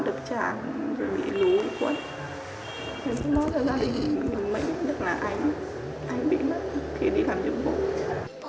thì nó ra thì mình mới nhận được là anh anh bị mất thì đi làm giúp bố